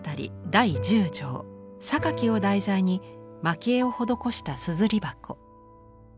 第１０帖「賢木」を題材に蒔絵を施した硯箱。